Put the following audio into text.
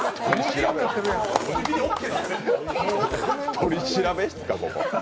取調室か、ここ。